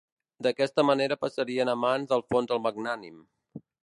D'aquesta manera passaria a mans d'Alfons el Magnànim.